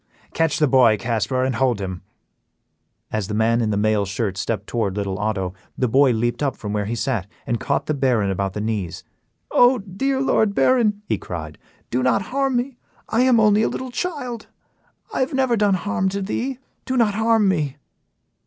Catch the boy, Casper, and hold him." As the man in the mail shirt stepped toward little Otto, the boy leaped up from where he sat and caught the Baron about the knees. "Oh! dear Lord Baron," he cried, "do not harm me; I am only a little child, I have never done harm to thee; do not harm me."